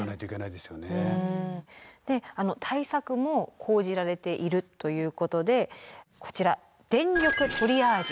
で対策も講じられているということでこちら「電力トリアージ」。